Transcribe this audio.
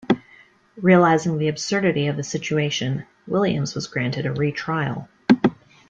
Realising the absurdity of the situation, Williams was granted a retrial.